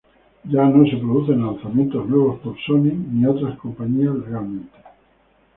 Ya no se producen lanzamientos nuevos por Sony ni otras compañías legalmente.